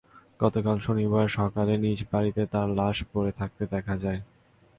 গতকাল শনিবার সকালে নিজ বাড়িতে তার লাশ পড়ে থাকতে দেখা যায়।